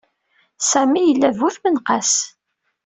Sami yella d bu tmenqas.